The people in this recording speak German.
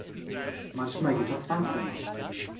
Manchmal geht das langsamer.